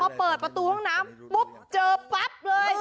พอเปิดประตูห้องน้ำปุ๊บเจอปั๊บเลย